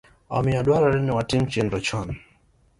Omiyo, dwarore ni watim chenro chon